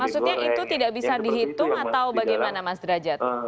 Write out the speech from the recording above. maksudnya itu tidak bisa dihitung atau bagaimana mas derajat